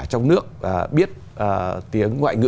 trong nước biết tiếng ngoại ngữ